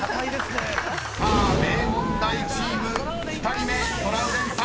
［さあ名門大チーム２人目トラウデンさん